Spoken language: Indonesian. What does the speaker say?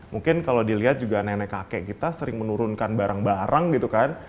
mungkin kalau dilihat juga nenek kakek kita sering menurunkan barang barang gitu kan